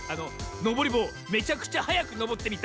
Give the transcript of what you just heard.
「のぼりぼうめちゃくちゃはやくのぼってみた」。